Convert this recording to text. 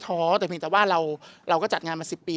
แต่เพียงแต่ว่าเราก็จัดงานมา๑๐ปี